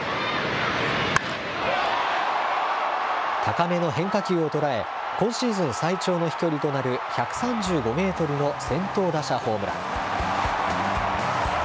高めの変化球を捉え、今シーズン最長の飛距離となる１３５メートルの先頭打者ホームラン。